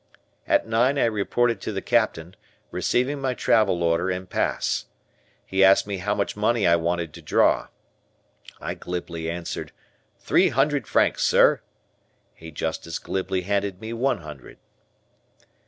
At nine I reported to the Captain, receiving my travel order and pass. He asked me how much money I wanted to draw. I glibly answered, "Three hundred francs, sir", he just as glibly handed me one hundred.